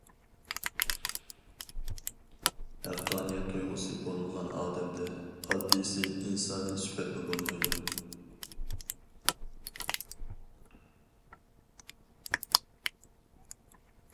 ھەققانىيەت تۇيغۇسى بولمىغان ئادەمدە ئاددىيسى ئىنسانىي سۈپەتمۇ بولمايدۇ.